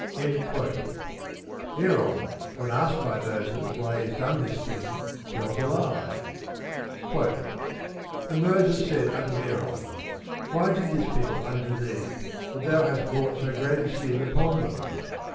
Aaron, when asked by Moses why he has done this thing, tells a lie: And Moses said unto Aaron, What did this people unto thee, that thou hast brought so great a sin upon them?